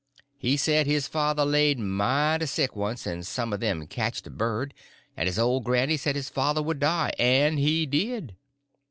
He said his father laid mighty sick once, and some of them catched a bird, and his old granny said his father would die, and he did.